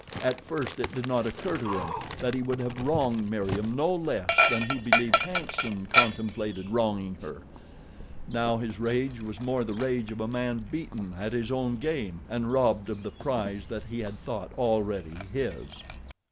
At first it did not occur to him that he would have wronged Meriem no less than he believed "Hanson" contemplated wronging her. Now his rage was more the rage of a man beaten at his own game and robbed of the prize that he had thought already his.